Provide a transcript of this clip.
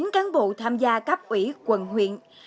một mươi chín cán bộ tham gia cấp ủy quận huyện